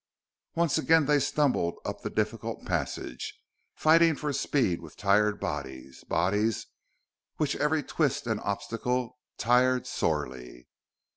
Once again they stumbled up the difficult passage, fighting for speed with tired bodies, bodies which every twist and obstacle tried sorely.